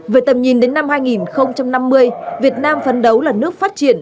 về tầm nhìn đến năm hai nghìn năm mươi việt nam phấn đấu là nước phát triển